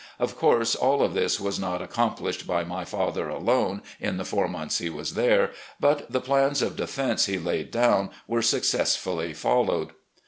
Of course all of this was not accomplished by my father alone in the four months he was there; but the plans of defense he laid down were successfully followed.